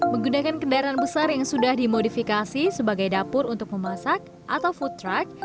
menggunakan kendaraan besar yang sudah dimodifikasi sebagai dapur untuk memasak atau food truck